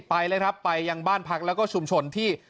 ไปเลยครับไปยังบ้านพักแล้วก็ชุมชนที่